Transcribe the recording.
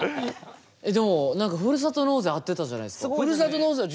でも何かふるさと納税合ってたじゃないですか。